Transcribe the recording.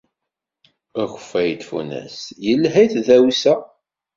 Akeffay n tfunast yelha i tdawsa.